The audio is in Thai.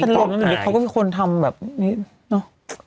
คนก็คงแม่กันเค้าก็อย่างนี้เนอะ